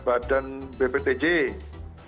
badan pengontrol pengontrol hijau